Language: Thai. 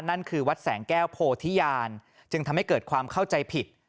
นั่นคือวัดแสงแก้วโพธิญาณจึงทำให้เกิดความเข้าใจผิด